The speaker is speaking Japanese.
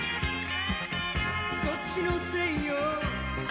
そっちのせいよ